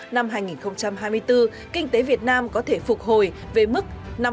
năm hai nghìn hai mươi bốn kinh tế việt nam có thể phục hồi về mức